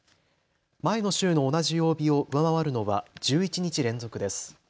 前の週の同じ曜日を上回るのは１１日連続です。